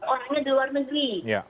orangnya di luar negeri